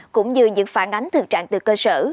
cũng như những phản ánh thực trạng từ cơ sở